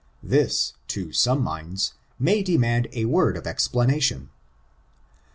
This, to some minds, may demand a word of explanation.